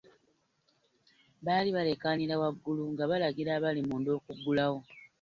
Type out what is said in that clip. Baali baleekaanira waggulu nga balagira abali munda okuggulawo.